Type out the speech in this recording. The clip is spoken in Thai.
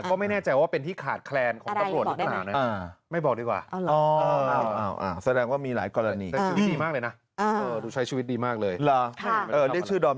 ก็ไม่แน่ใจว่าเป็นที่ขาดแคลร์ของตำรวจใต่นาน